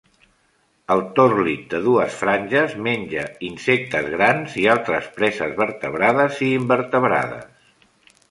El torlit de dues franges menja insectes grans i altres preses vertebrades i invertebrades.